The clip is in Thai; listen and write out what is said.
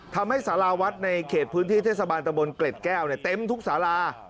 สาราวัดในเขตพื้นที่เทศบาลตะบนเกล็ดแก้วเต็มทุกสารา